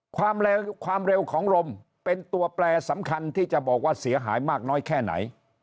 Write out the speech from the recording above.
ความเร็วของลมเป็นตัวแปลสำคัญที่จะบอกว่าเสียหายมากน้อยแค่ไหน